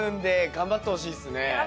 頑張ってほしいです。